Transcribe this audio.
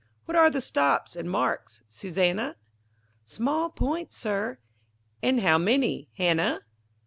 What are the stops and marks, Susannah? Small points, Sir. And how many, Hannah?